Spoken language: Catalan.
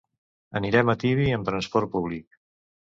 Anirem a Tibi amb transport públic.